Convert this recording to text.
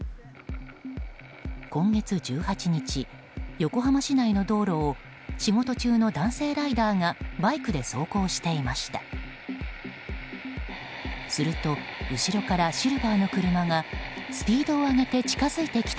今月１８日、横浜市内の道路を仕事中の男性ライダーがバイクで走行していました。